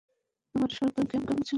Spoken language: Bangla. তোমার সকার গেম কেমন ছিল আজ?